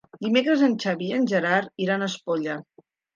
Dimecres en Xavi i en Gerard iran a Espolla.